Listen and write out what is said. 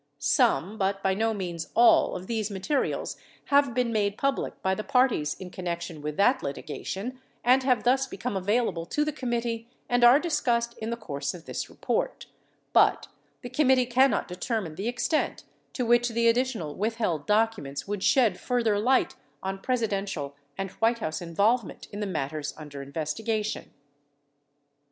Some, but by no means all, of these materials have been made public by the parties in connection with that litigation and have thus become available to the committee and are discussed in the course of this report ; but the committee cannot determine the extent to which the additional withheld documents would shed further light on Presidential and White House involvement in the matters under investigation.